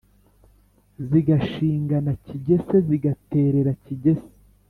zigashingana kigese: zigaterera kigese